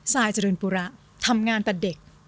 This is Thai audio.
ซายเจริญปุระทำงานแต่เด็ก